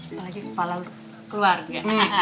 apalagi kepala keluarga